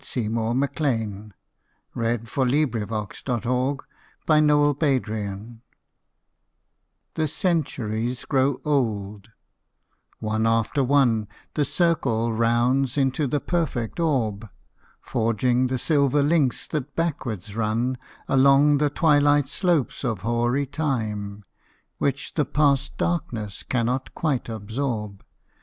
20* Even Song. ROCKWOOD HOSPITAL, KINGSTON ADVENT DAYS, ^HE centuries grow old ; one after one ^ The circle rounds into the perfect orb, Forging the silver links that backward run Along the twilight slopes of hoary time, (Which the past darkness cannot quite absorb).